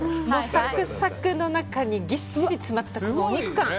サクサクの中にぎっしり詰まったお肉感。